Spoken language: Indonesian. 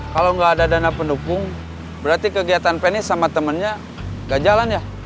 kalau gak ada dana pendukung berarti kegiatan penny sama temennya gak jalan ya